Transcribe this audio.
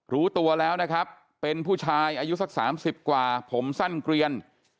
รู้ตัวแล้วนะครับเป็นผู้ชายอายุสัก๓๐กว่าผมสั้นเกลียน